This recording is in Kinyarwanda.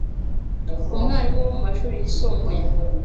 umwalimu wo mu mashuri yisumbuye,